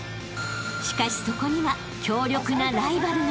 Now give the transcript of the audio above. ［しかしそこには強力なライバルが］